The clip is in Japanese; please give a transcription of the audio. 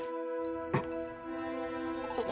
あっ。